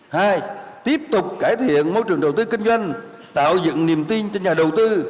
hai tiếp tục cải thiện môi trường đầu tư kinh doanh tạo dựng niềm tin cho nhà đầu tư